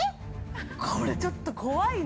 ◆これ、ちょっと怖いな。